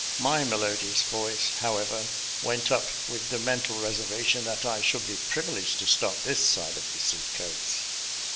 My melodious voice, however, went up with the men tal reservation that I should be privileged to stop this side of the seacoast.